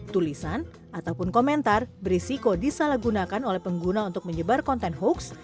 tulisan ataupun komentar berisiko disalahgunakan oleh pengguna untuk menyebar konten hoax